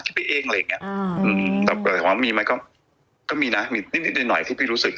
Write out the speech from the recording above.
ไปเองอะไรอย่างเงี้อืมแต่เกิดถามว่ามีไหมก็ก็มีนะมีนิดนิดหน่อยหน่อยที่พี่รู้สึก